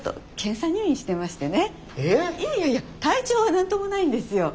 いやいやいや体調は何ともないんですよ。